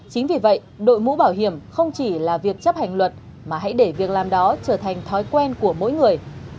chính vì vậy đội mũ bảo hiểm không chỉ là việc chấp hành luật mà hãy để việc làm đó trở thành thói quen của mỗi người